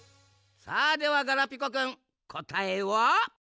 さあではガラピコくんこたえは？